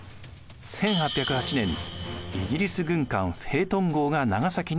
１８０８年イギリス軍艦フェートン号が長崎に入港。